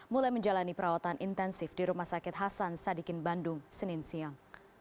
mulai menjalani perawatan intensif di rumah sakit hasan sadikin bandung senin siang